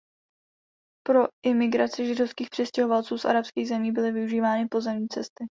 Pro imigraci židovských přistěhovalců z arabských zemí byly využívány pozemní cesty.